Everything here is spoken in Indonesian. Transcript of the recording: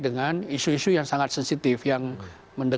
dengan isu isu yang sangat sensitif yang mendasar